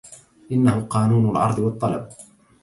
انه قانون العرض والطلب.